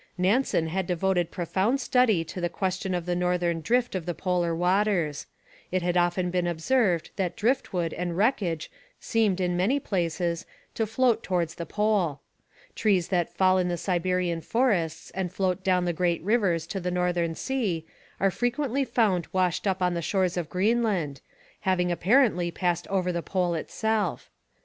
Nansen had devoted profound study to the question of the northern drift of the polar waters. It had often been observed that drift wood and wreckage seemed, in many places, to float towards the Pole. Trees that fall in the Siberian forests and float down the great rivers to the northern sea are frequently found washed up on the shores of Greenland, having apparently passed over the Pole itself.